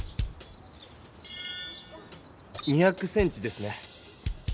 ２００ｃｍですね。